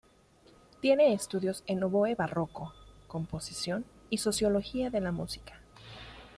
Tiene estudios en oboe barroco, composición y Sociología de la Música.